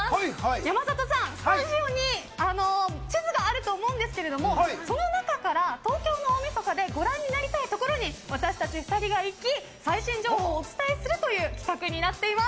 山里さん、スタジオに地図があると思うんですけどその中から東京の大みそかでご覧になりたい所に私たち２人が行き最新情報をお伝えする企画になっています。